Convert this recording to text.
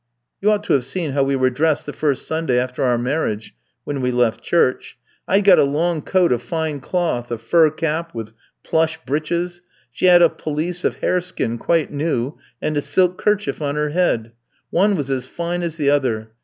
"You ought to have seen how we were dressed the first Sunday after our marriage when we left church! I'd got a long coat of fine cloth, a fur cap, with plush breeches. She had a pelisse of hareskin, quite new, and a silk kerchief on her head. One was as fine as the other.